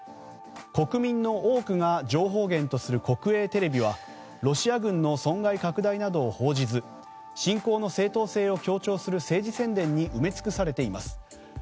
国民の多くが情報源とする国営テレビはロシア軍の損害拡大などを報じず侵攻の正当性を強調する政治宣伝に埋め尽くされています。